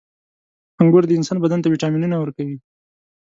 • انګور د انسان بدن ته ویټامینونه ورکوي.